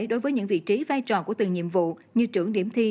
đối với những vị trí vai trò của từng nhiệm vụ như trưởng điểm thi